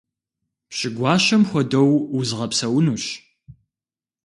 Пщы гуащэм хуэдэу узгъэпсэунущ.